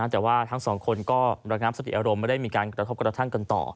แต่ว่าทั้งสองคนก็ระงับสติอารมณ์ไม่ได้มีการกระทบกระทั่งกันต่อ